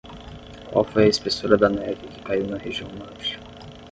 Qual foi a espessura da neve que caiu na região norte?